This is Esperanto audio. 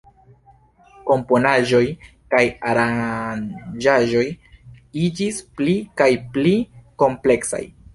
Komponaĵoj kaj aranĝaĵoj iĝis pli kaj pli kompleksaj.